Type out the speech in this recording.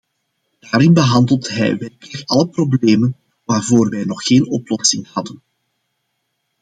Daarin behandelt hij werkelijk alle problemen waarvoor wij nog geen oplossing hadden.